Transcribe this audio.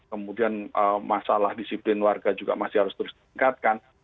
kemudian masalah disiplin warga juga masih harus terus ditingkatkan